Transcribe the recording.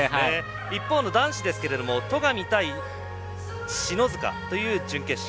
一方の男子戸上対篠塚という準決勝。